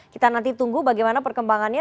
kita nanti tunggu bagaimana perkembangannya